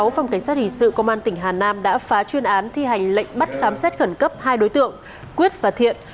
phòng cảnh sát hình sự công an tỉnh hà nam đã phá chuyên án thi hành lệnh bắt khám xét khẩn cấp hai đối tượng quyết và thiện